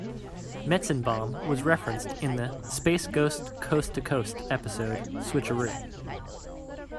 Metzenbaum was referenced in the "Space Ghost Coast to Coast" episode "Switcheroo".